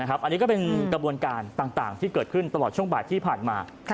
อันนี้ก็เป็นกระบวนการต่างที่เกิดขึ้นตลอดช่วงบ่ายที่ผ่านมา